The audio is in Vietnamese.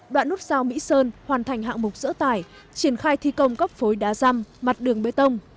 đoạn nút sao mỹ sơn hoàn thành hạng mục dỡ tải triển khai thi công các phối đá răm mặt đường bê tông